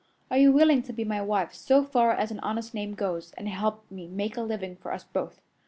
Are you willing to be my wife so far as an honest name goes, and help me make a living for us both?